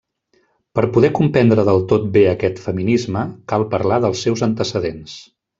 Per poder comprendre del tot bé aquest feminisme, cal parlar dels seus antecedents.